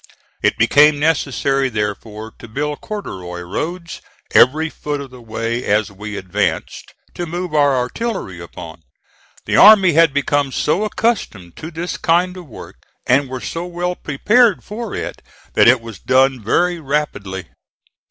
It became necessary therefore to build corduroy roads every foot of the way as we advanced, to move our artillery upon. The army had become so accustomed to this kind of work, and were so well prepared for it, that it was done very rapidly.